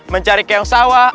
mencari keong sawah